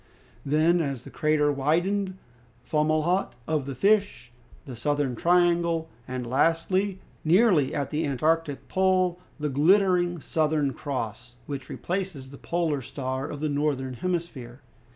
Then, as the crater widened, appeared Fomalhaut of the Fish, the Southern Triangle, and lastly, nearly at the Antarctic Pole, the glittering Southern Cross, which replaces the Polar Star of the Northern Hemisphere.